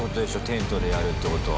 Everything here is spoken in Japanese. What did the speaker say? テントでやるってことは。